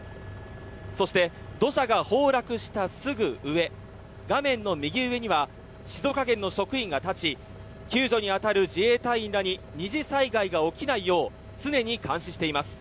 そして、土砂が崩落したすぐ上画面の右上には静岡県の職員が立ち救助に当たる自衛隊員らに二次災害が起きないよう常に監視しています。